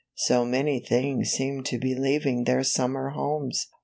So many things seemed to be leaving their summer homes.